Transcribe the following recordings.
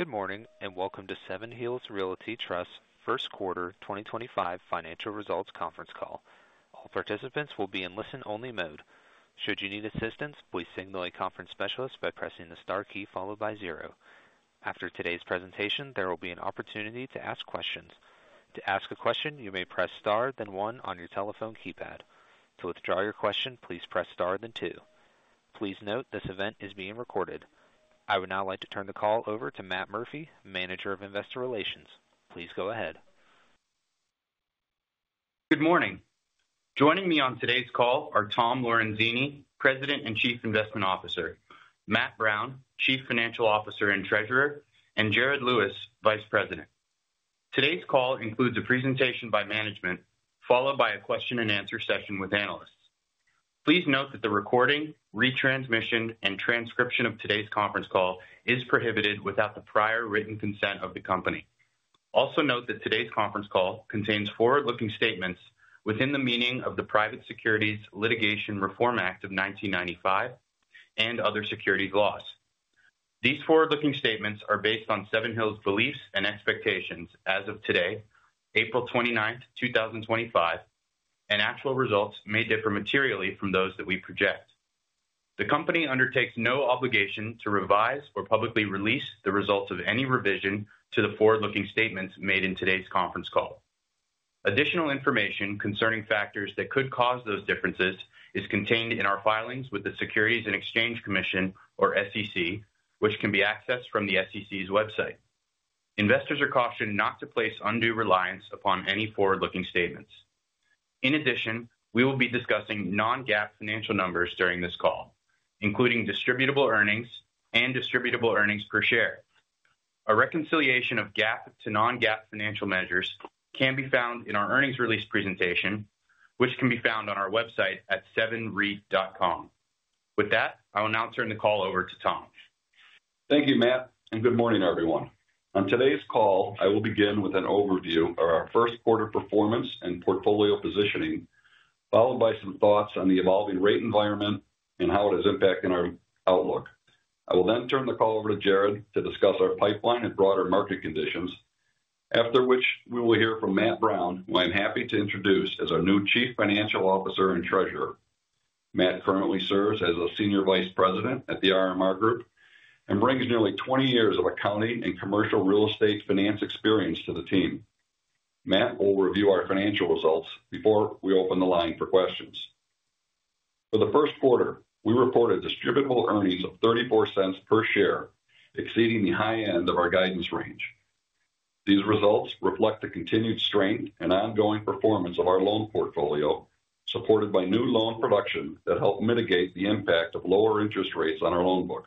Good morning and welcome to Seven Hills Realty Trust's Q1 2025 financial results conference call. All participants will be in listen-only mode. Should you need assistance, please signal a conference specialist by pressing the star key followed by zero. After today's presentation, there will be an opportunity to ask questions. To ask a question, you may press star, then one on your telephone keypad. To withdraw your question, please press star, then two. Please note this event is being recorded. I would now like to turn the call over to Matt Murphy, Manager of Investor Relations. Please go ahead. Good morning. Joining me on today's call are Tom Lorenzini, President and Chief Investment Officer; Matt Brown, Chief Financial Officer and Treasurer; and Jared Lewis, Vice President. Today's call includes a presentation by management followed by a question-and-answer session with analysts. Please note that the recording, retransmission, and transcription of today's conference call is prohibited without the prior written consent of the company. Also note that today's conference call contains forward-looking statements within the meaning of the Private Securities Litigation Reform Act of 1995 and other securities laws. These forward-looking statements are based on Seven Hills' beliefs and expectations as of today, April 29, 2025, and actual results may differ materially from those that we project. The company undertakes no obligation to revise or publicly release the results of any revision to the forward-looking statements made in today's conference call. Additional information concerning factors that could cause those differences is contained in our filings with the Securities and Exchange Commission, or SEC, which can be accessed from the SEC's website. Investors are cautioned not to place undue reliance upon any forward-looking statements. In addition, we will be discussing non-GAAP financial numbers during this call, including distributable earnings and distributable earnings per share. A reconciliation of GAAP to non-GAAP financial measures can be found in our earnings release presentation, which can be found on our website at sevenre.com. With that, I will now turn the call over to Tom. Thank you, Matt, and good morning, everyone. On today's call, I will begin with an overview of our first quarter performance and portfolio positioning, followed by some thoughts on the evolving rate environment and how it has impacted our outlook. I will then turn the call over to Jared to discuss our pipeline and broader market conditions, after which we will hear from Matt Brown, who I'm happy to introduce as our new Chief Financial Officer and Treasurer. Matt currently serves as a Senior Vice President at the RMR Group and brings nearly 20 years of accounting and commercial real estate finance experience to the team. Matt will review our financial results before we open the line for questions. For the first quarter, we reported distributable earnings of $0.34 per share, exceeding the high end of our guidance range. These results reflect the continued strength and ongoing performance of our loan portfolio, supported by new loan production that helped mitigate the impact of lower interest rates on our loan book.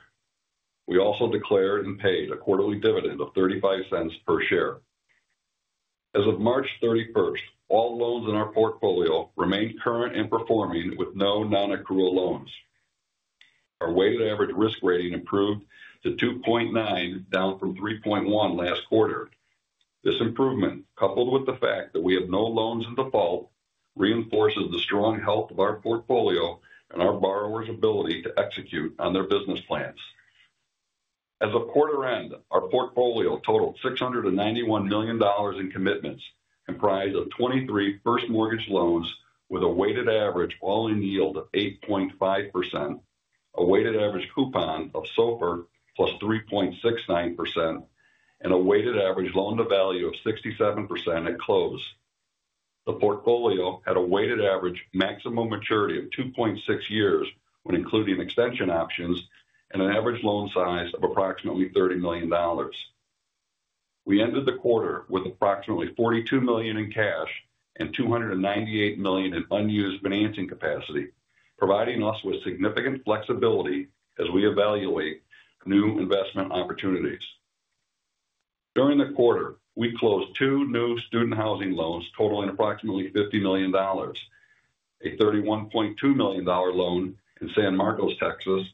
We also declared and paid a quarterly dividend of $0.35 per share. As of March 31, all loans in our portfolio remain current and performing with no non-accrual loans. Our weighted average risk rating improved to 2.9, down from 3.1 last quarter. This improvement, coupled with the fact that we have no loans in default, reinforces the strong health of our portfolio and our borrowers' ability to execute on their business plans. As of quarter end, our portfolio totaled $691 million in commitments, comprised of 23 first mortgage loans with a weighted average all-in yield of 8.5%, a weighted average coupon of SOFR plus 3.69%, and a weighted average loan-to-value of 67% at close. The portfolio had a weighted average maximum maturity of 2.6 years when including extension options and an average loan size of approximately $30 million. We ended the quarter with approximately $42 million in cash and $298 million in unused financing capacity, providing us with significant flexibility as we evaluate new investment opportunities. During the quarter, we closed two new student housing loans totaling approximately $50 million, a $31.2 million loan in San Marcos, Texas,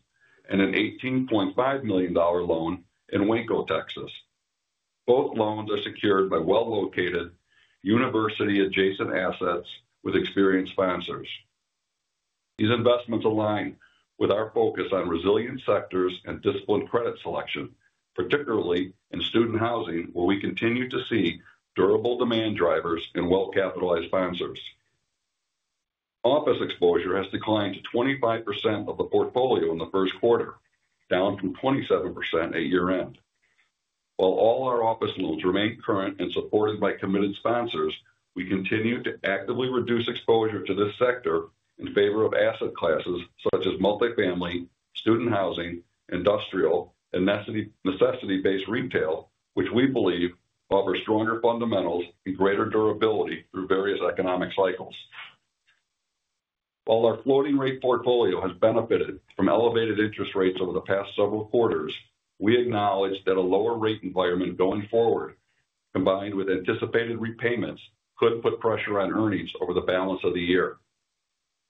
and an $18.5 million loan in Waco, Texas. Both loans are secured by well-located, university-adjacent assets with experienced sponsors. These investments align with our focus on resilient sectors and disciplined credit selection, particularly in student housing, where we continue to see durable demand drivers and well-capitalized sponsors. Office exposure has declined to 25% of the portfolio in the first quarter, down from 27% at year-end. While all our office loans remain current and supported by committed sponsors, we continue to actively reduce exposure to this sector in favor of asset classes such as multifamily, student housing, industrial, and necessity-based retail, which we believe offer stronger fundamentals and greater durability through various economic cycles. While our floating-rate portfolio has benefited from elevated interest rates over the past several quarters, we acknowledge that a lower rate environment going forward, combined with anticipated repayments, could put pressure on earnings over the balance of the year.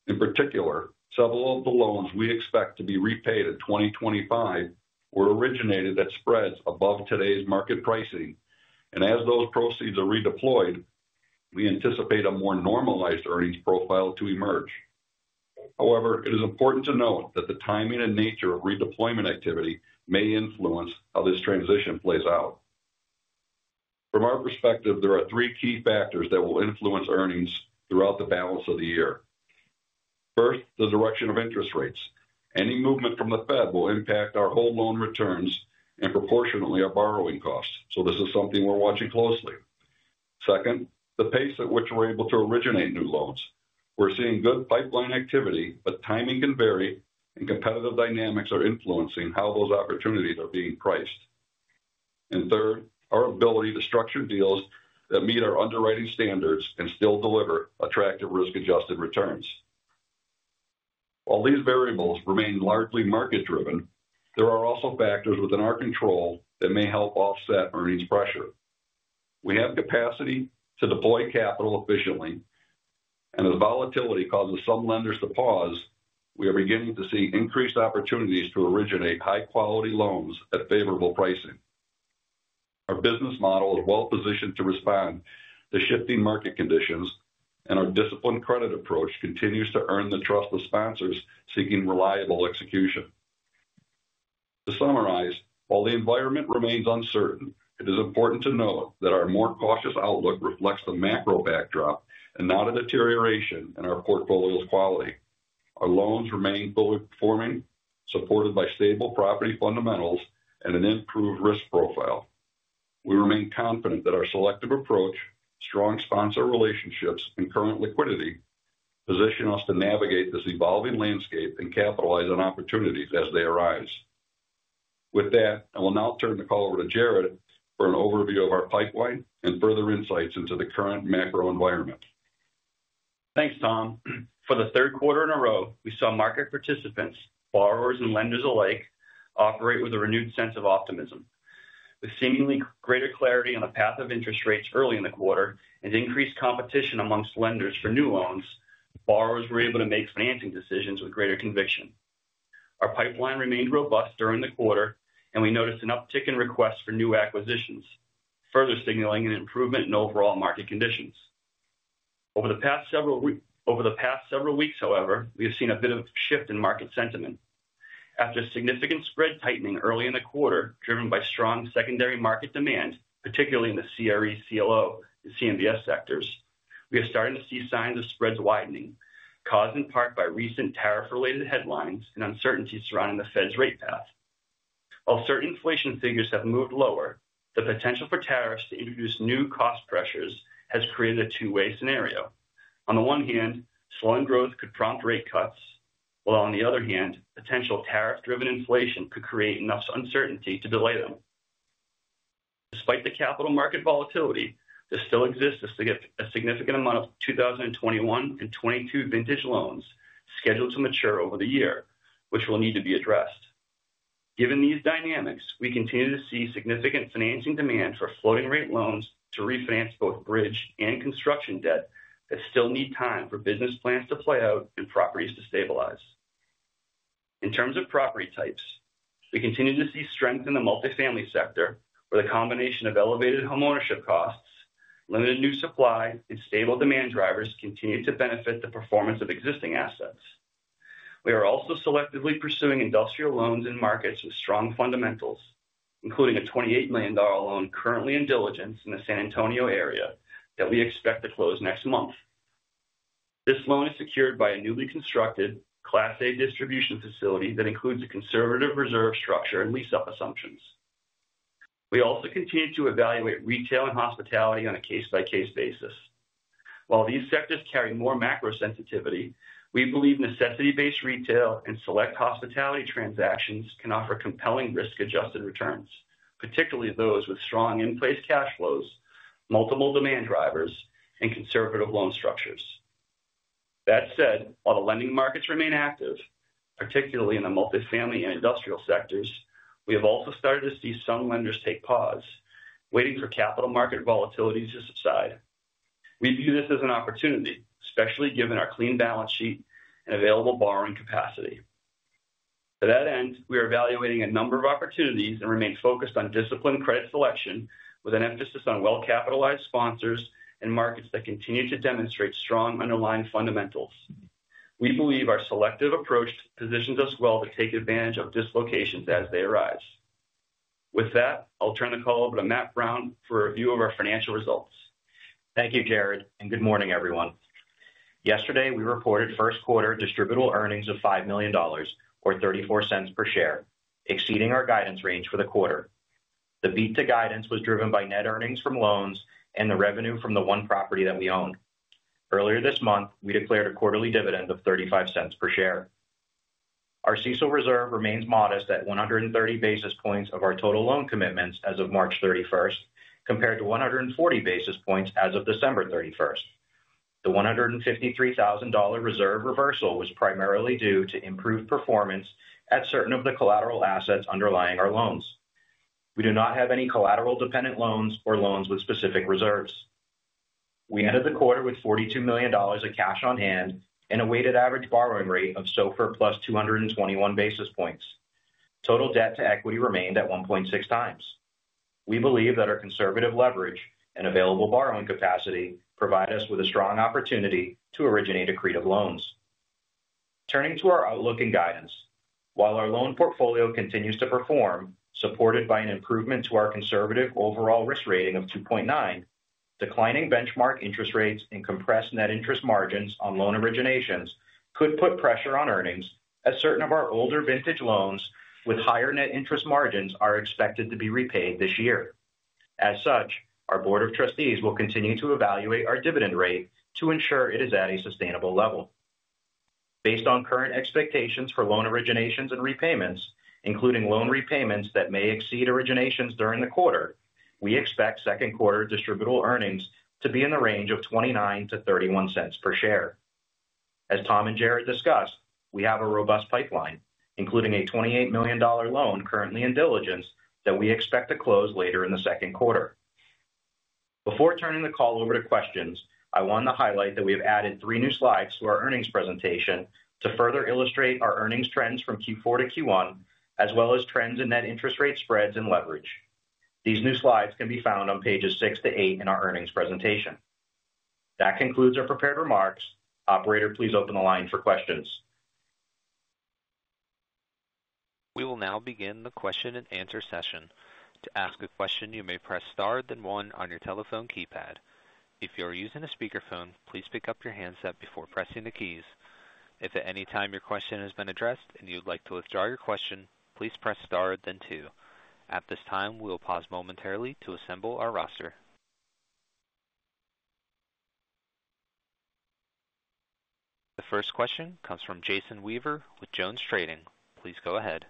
In particular, several of the loans we expect to be repaid in 2025 were originated at spreads above today's market pricing, and as those proceeds are redeployed, we anticipate a more normalized earnings profile to emerge. However, it is important to note that the timing and nature of redeployment activity may influence how this transition plays out. From our perspective, there are three key factors that will influence earnings throughout the balance of the year. First, the direction of interest rates. Any movement from the Fed will impact our whole loan returns and proportionately our borrowing costs, so this is something we're watching closely. Second, the pace at which we're able to originate new loans. We're seeing good pipeline activity, but timing can vary, and competitive dynamics are influencing how those opportunities are being priced. Third, our ability to structure deals that meet our underwriting standards and still deliver attractive risk-adjusted returns. While these variables remain largely market-driven, there are also factors within our control that may help offset earnings pressure. We have capacity to deploy capital efficiently, and as volatility causes some lenders to pause, we are beginning to see increased opportunities to originate high-quality loans at favorable pricing. Our business model is well-positioned to respond to shifting market conditions, and our disciplined credit approach continues to earn the trust of sponsors seeking reliable execution. To summarize, while the environment remains uncertain, it is important to note that our more cautious outlook reflects the macro backdrop and not a deterioration in our portfolio's quality. Our loans remain fully performing, supported by stable property fundamentals and an improved risk profile. We remain confident that our selective approach, strong sponsor relationships, and current liquidity position us to navigate this evolving landscape and capitalize on opportunities as they arise. With that, I will now turn the call over to Jared for an overview of our pipeline and further insights into the current macro environment. Thanks, Tom. For the third quarter in a row, we saw market participants, borrowers, and lenders alike operate with a renewed sense of optimism. With seemingly greater clarity on the path of interest rates early in the quarter and increased competition amongst lenders for new loans, borrowers were able to make financing decisions with greater conviction. Our pipeline remained robust during the quarter, and we noticed an uptick in requests for new acquisitions, further signaling an improvement in overall market conditions. Over the past several weeks, however, we have seen a bit of a shift in market sentiment. After significant spread tightening early in the quarter driven by strong secondary market demand, particularly in the CRE, CLO, and CMBS sectors, we are starting to see signs of spreads widening, caused in part by recent tariff-related headlines and uncertainty surrounding the Fed's rate path. While certain inflation figures have moved lower, the potential for tariffs to introduce new cost pressures has created a two-way scenario. On the one hand, slowing growth could prompt rate cuts, while on the other hand, potential tariff-driven inflation could create enough uncertainty to delay them. Despite the capital market volatility, there still exists a significant amount of 2021 and 2022 vintage loans scheduled to mature over the year, which will need to be addressed. Given these dynamics, we continue to see significant financing demand for floating-rate loans to refinance both bridge and construction debt that still need time for business plans to play out and properties to stabilize. In terms of property types, we continue to see strength in the multifamily sector, where the combination of elevated homeownership costs, limited new supply, and stable demand drivers continue to benefit the performance of existing assets. We are also selectively pursuing industrial loans in markets with strong fundamentals, including a $28 million loan currently in diligence in the San Antonio area that we expect to close next month. This loan is secured by a newly constructed Class A distribution facility that includes a conservative reserve structure and lease-up assumptions. We also continue to evaluate retail and hospitality on a case-by-case basis. While these sectors carry more macro sensitivity, we believe necessity-based retail and select hospitality transactions can offer compelling risk-adjusted returns, particularly those with strong in-place cash flows, multiple demand drivers, and conservative loan structures. That said, while the lending markets remain active, particularly in the multifamily and industrial sectors, we have also started to see some lenders take pause, waiting for capital market volatilities to subside. We view this as an opportunity, especially given our clean balance sheet and available borrowing capacity. To that end, we are evaluating a number of opportunities and remain focused on disciplined credit selection with an emphasis on well-capitalized sponsors and markets that continue to demonstrate strong underlying fundamentals. We believe our selective approach positions us well to take advantage of dislocations as they arise. With that, I'll turn the call over to Matt Brown for a review of our financial results. Thank you, Jared, and good morning, everyone. Yesterday, we reported first quarter distributable earnings of $5 million, or $0.34 per share, exceeding our guidance range for the quarter. The beat to guidance was driven by net earnings from loans and the revenue from the one property that we owned. Earlier this month, we declared a quarterly dividend of $0.35 per share. Our CECL Reserve remains modest at 130 basis points of our total loan commitments as of March 31, compared to 140 basis points as of December 31. The $153,000 reserve reversal was primarily due to improved performance at certain of the collateral assets underlying our loans. We do not have any collateral-dependent loans or loans with specific reserves. We ended the quarter with $42 million of cash on hand and a weighted average borrowing rate of SOFR plus 221 basis points. Total debt to equity remained at 1.6 times. We believe that our conservative leverage and available borrowing capacity provide us with a strong opportunity to originate a CRE of loans. Turning to our outlook and guidance, while our loan portfolio continues to perform, supported by an improvement to our conservative overall risk rating of 2.9, declining benchmark interest rates and compressed net interest margins on loan originations could put pressure on earnings as certain of our older vintage loans with higher net interest margins are expected to be repaid this year. As such, our Board of Trustees will continue to evaluate our dividend rate to ensure it is at a sustainable level. Based on current expectations for loan originations and repayments, including loan repayments that may exceed originations during the quarter, we expect second quarter distributable earnings to be in the range of $0.29-$0.31 per share. As Tom and Jared discussed, we have a robust pipeline, including a $28 million loan currently in diligence that we expect to close later in the second quarter. Before turning the call over to questions, I want to highlight that we have added three new slides to our earnings presentation to further illustrate our earnings trends from Q4 to Q1, as well as trends in net interest rate spreads and leverage. These new slides can be found on pages six to eight in our earnings presentation. That concludes our prepared remarks. Operator, please open the line for questions. We will now begin the question-and-answer session. To ask a question, you may press star then one on your telephone keypad. If you are using a speakerphone, please pick up your handset before pressing the keys. If at any time your question has been addressed and you'd like to withdraw your question, please press star then two. At this time, we will pause momentarily to assemble our roster. The first question comes from Jason Weaver with JonesTrading. Please go ahead.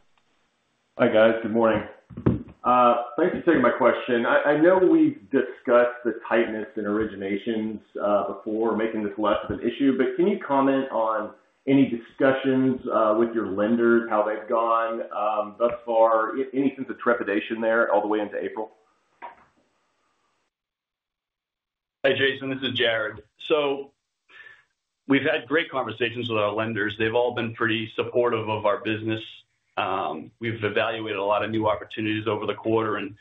Hi guys, good morning. Thanks for taking my question. I know we've discussed the tightness in originations before making this less of an issue, but can you comment on any discussions with your lenders, how they've gone thus far, any sense of trepidation there all the way into April? Hi Jason, this is Jared. We've had great conversations with our lenders. They've all been pretty supportive of our business. We've evaluated a lot of new opportunities over the quarter, and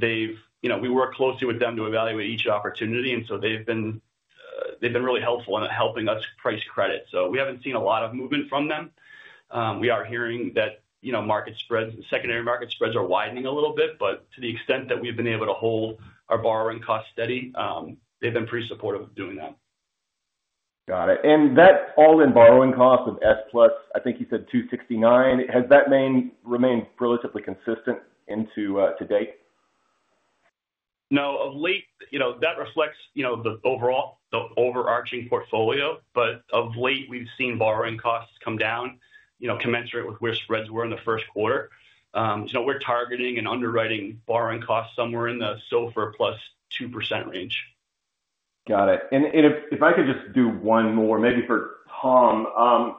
we work closely with them to evaluate each opportunity, and they've been really helpful in helping us price credit. We haven't seen a lot of movement from them. We are hearing that secondary market spreads are widening a little bit, but to the extent that we've been able to hold our borrowing costs steady, they've been pretty supportive of doing that. Got it. And that all in borrowing costs of SOFR plus, I think you said $269, has that remained relatively consistent to date? No. That reflects the overarching portfolio, but of late, we've seen borrowing costs come down commensurate with where spreads were in the first quarter. We're targeting and underwriting borrowing costs somewhere in the SOFR plus 2% range. Got it. If I could just do one more, maybe for Tom.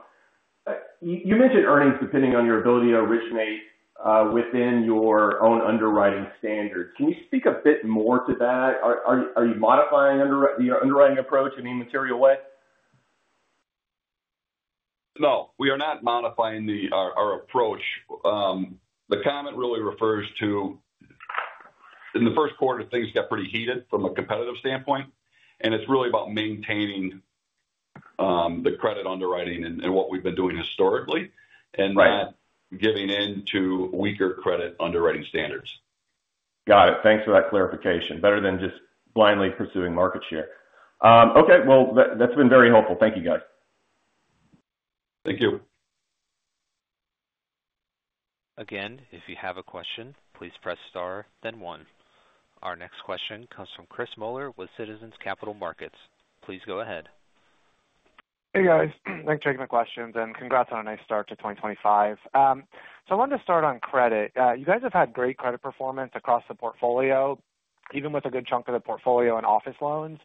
You mentioned earnings depending on your ability to originate within your own underwriting standards. Can you speak a bit more to that? Are you modifying your underwriting approach in any material way? No, we are not modifying our approach. The comment really refers to, in the first quarter, things got pretty heated from a competitive standpoint, and it's really about maintaining the credit underwriting and what we've been doing historically, and not giving in to weaker credit underwriting standards. Got it. Thanks for that clarification. Better than just blindly pursuing market share. Okay, that's been very helpful. Thank you, guys. Thank you. Again, if you have a question, please press star then one. Our next question comes from Chris Muller with Citizens Capital Markets. Please go ahead. Hey guys, thanks for taking the questions, and congrats on a nice start to 2025. I wanted to start on credit. You guys have had great credit performance across the portfolio, even with a good chunk of the portfolio in office loans.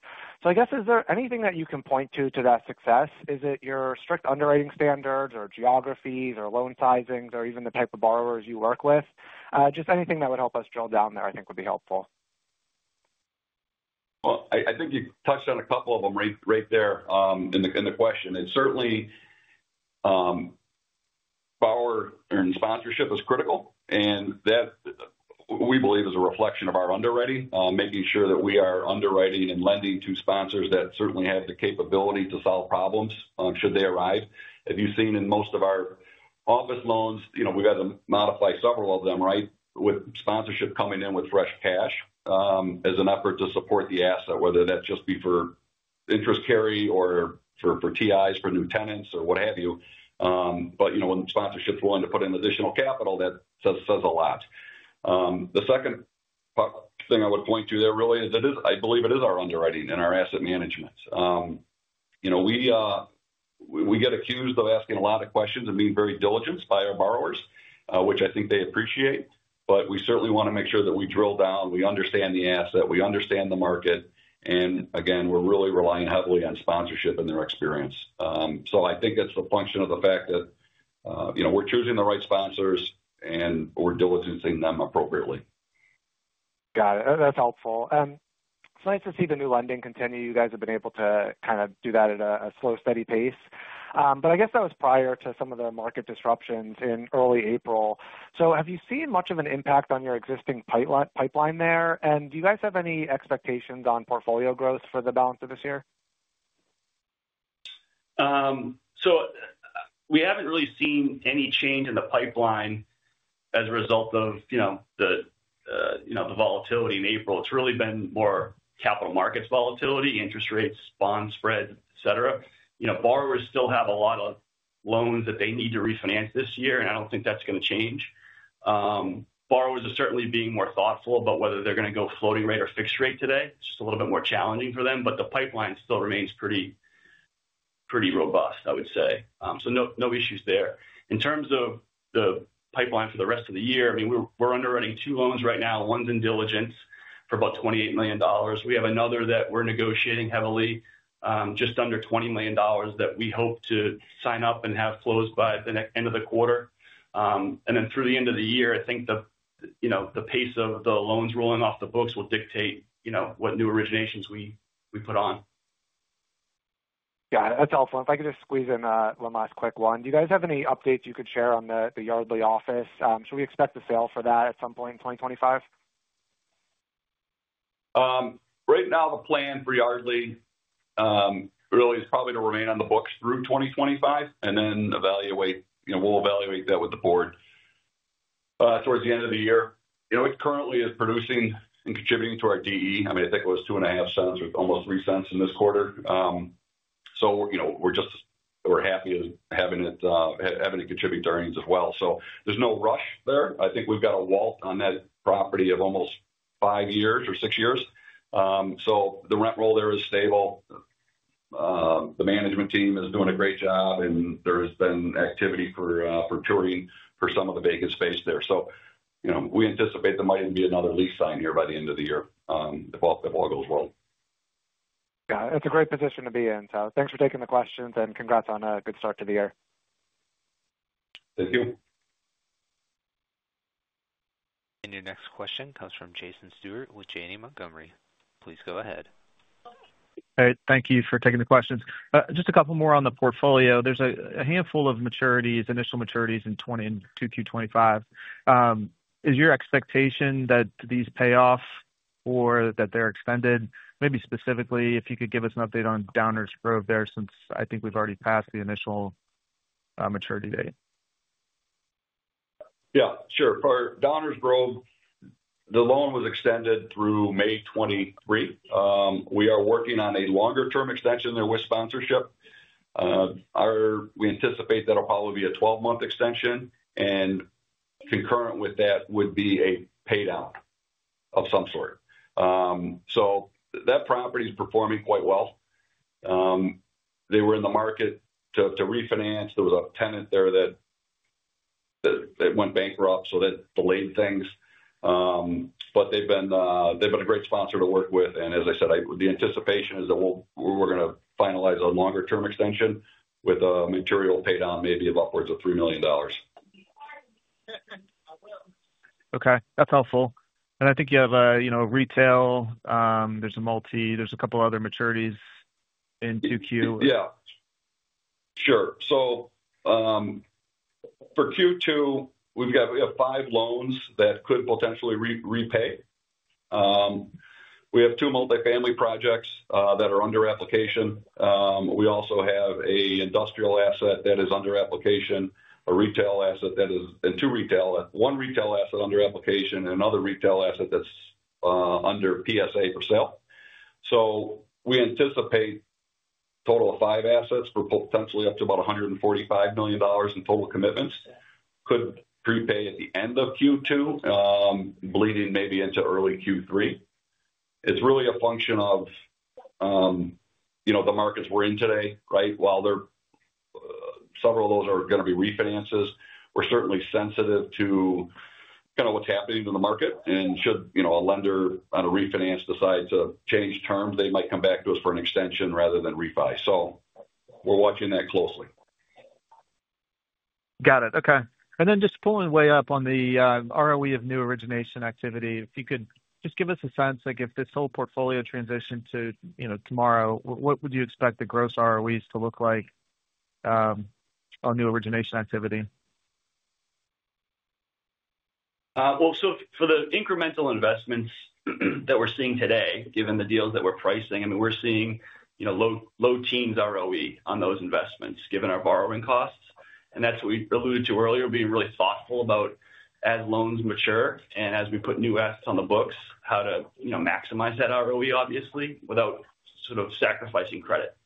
I guess, is there anything that you can point to, to that success? Is it your strict underwriting standards or geographies or loan sizings or even the type of borrowers you work with? Just anything that would help us drill down there, I think, would be helpful. I think you touched on a couple of them right there in the question. It's certainly borrower and sponsorship is critical, and that we believe is a reflection of our underwriting, making sure that we are underwriting and lending to sponsors that certainly have the capability to solve problems should they arrive. As you've seen in most of our office loans, we've had to modify several of them, right, with sponsorship coming in with fresh cash as an effort to support the asset, whether that just be for interest carry or for TIs for new tenants or what have you. When sponsorship's willing to put in additional capital, that says a lot. The second thing I would point to there really is, I believe it is our underwriting and our asset management. We get accused of asking a lot of questions and being very diligent by our borrowers, which I think they appreciate, but we certainly want to make sure that we drill down, we understand the asset, we understand the market, and again, we're really relying heavily on sponsorship and their experience. I think it's a function of the fact that we're choosing the right sponsors and we're diligenting them appropriately. Got it. That's helpful. It's nice to see the new lending continue. You guys have been able to kind of do that at a slow, steady pace. I guess that was prior to some of the market disruptions in early April. Have you seen much of an impact on your existing pipeline there? Do you guys have any expectations on portfolio growth for the balance of this year? We have not really seen any change in the pipeline as a result of the volatility in April. It has really been more capital markets volatility, interest rates, bond spreads, etc. Borrowers still have a lot of loans that they need to refinance this year, and I do not think that is going to change. Borrowers are certainly being more thoughtful about whether they are going to go floating rate or fixed rate today. It is just a little bit more challenging for them, but the pipeline still remains pretty robust, I would say. No issues there. In terms of the pipeline for the rest of the year, I mean, we are underwriting two loans right now. One is in diligence for about $28 million. We have another that we are negotiating heavily, just under $20 million that we hope to sign up and have flows by the end of the quarter. Through the end of the year, I think the pace of the loans rolling off the books will dictate what new originations we put on. Got it. That's helpful. If I could just squeeze in one last quick one. Do you guys have any updates you could share on the Yardley office? Should we expect the sale for that at some point in 2025? Right now, the plan for Yardley really is probably to remain on the books through 2025, and then we'll evaluate that with the board towards the end of the year. It currently is producing and contributing to our DE. I mean, I think it was two and a half cents or almost three cents in this quarter. So we're happy having it contribute to earnings as well. There's no rush there. I think we've got a WALT on that property of almost five years or six years. The rent roll there is stable. The management team is doing a great job, and there has been activity for touring for some of the vacant space there. We anticipate there might even be another lease sign here by the end of the year if all goes well. Got it. That's a great position to be in. Thanks for taking the questions, and congrats on a good start to the year. Thank you. Your next question comes from Jason Stewart with Janney Montgomery. Please go ahead. All right. Thank you for taking the questions. Just a couple more on the portfolio. There's a handful of initial maturities in Q2 2025. Is your expectation that these pay off or that they're extended? Maybe specifically, if you could give us an update on Downers Grove there since I think we've already passed the initial maturity date. Yeah, sure. For Downers Grove, the loan was extended through May 2023. We are working on a longer-term extension there with sponsorship. We anticipate that'll probably be a 12-month extension, and concurrent with that would be a paid-out of some sort. That property is performing quite well. They were in the market to refinance. There was a tenant there that went bankrupt, which delayed things. They have been a great sponsor to work with. As I said, the anticipation is that we are going to finalize a longer-term extension with a material paid-out maybe of upwards of $3 million. Okay. That's helpful. I think you have retail. There's a multi. There's a couple of other maturities in Q2. Yeah. Sure. For Q2, we have five loans that could potentially repay. We have two multifamily projects that are under application. We also have an industrial asset that is under application, a retail asset that is, and two retail. One retail asset under application and another retail asset that's under PSA for sale. We anticipate a total of five assets for potentially up to about $145 million in total commitments could prepay at the end of Q2, bleeding maybe into early Q3. It's really a function of the markets we're in today, right? While several of those are going to be refinances, we're certainly sensitive to kind of what's happening in the market. Should a lender on a refinance decide to change terms, they might come back to us for an extension rather than refi. We're watching that closely. Got it. Okay. Just pulling way up on the ROE of new origination activity, if you could just give us a sense of if this whole portfolio transitioned to tomorrow, what would you expect the gross ROEs to look like on new origination activity? For the incremental investments that we're seeing today, given the deals that we're pricing, I mean, we're seeing low teens ROE on those investments given our borrowing costs. That's what we alluded to earlier, being really thoughtful about as loans mature and as we put new assets on the books, how to maximize that ROE, obviously, without sort of sacrificing credit.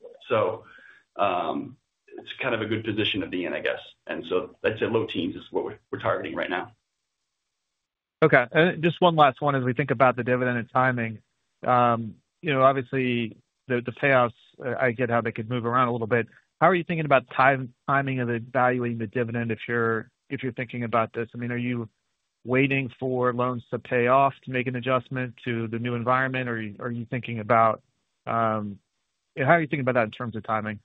It's kind of a good position to be in, I guess. I'd say low teens is what we're targeting right now. Okay. Just one last one as we think about the dividend and timing. Obviously, the payouts, I get how they could move around a little bit. How are you thinking about timing of evaluating the dividend if you're thinking about this? I mean, are you waiting for loans to pay off to make an adjustment to the new environment, or are you thinking about how are you thinking about that in terms of timing?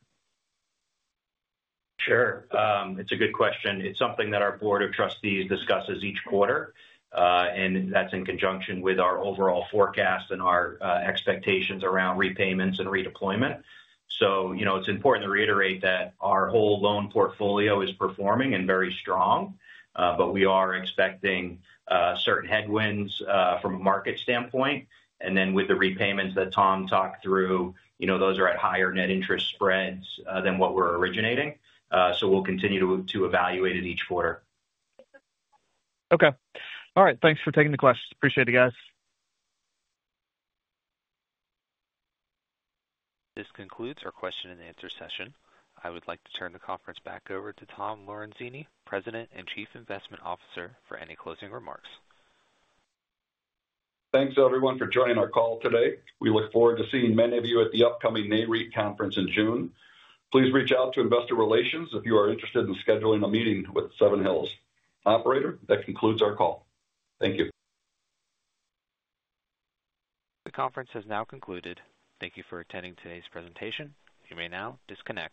Sure. It's a good question. It's something that our board of trustees discusses each quarter, and that's in conjunction with our overall forecast and our expectations around repayments and redeployment. It's important to reiterate that our whole loan portfolio is performing and very strong, but we are expecting certain headwinds from a market standpoint. With the repayments that Tom talked through, those are at higher net interest spreads than what we're originating. We'll continue to evaluate it each quarter. Okay. All right. Thanks for taking the questions. Appreciate it, guys. This concludes our question-and-answer session. I would like to turn the conference back over to Tom Lorenzini, President and Chief Investment Officer, for any closing remarks. Thanks, everyone, for joining our call today. We look forward to seeing many of you at the upcoming NAREIT conference in June. Please reach out to Investor Relations if you are interested in scheduling a meeting with Seven Hills. Operator, that concludes our call. Thank you. The conference has now concluded. Thank you for attending today's presentation. You may now disconnect.